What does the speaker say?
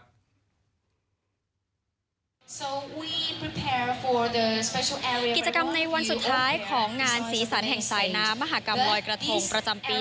กิจกรรมในวันสุดท้ายของงานสีสันแห่งสายน้ำมหากรรมลอยกระทงประจำปี